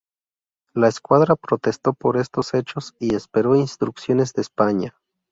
La escuadra protestó por estos hechos y esperó instrucciones de España.